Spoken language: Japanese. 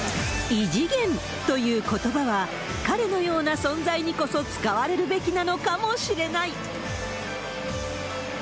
異次元ということばは、彼のような存在にこそ使われるべきなのかもしれない。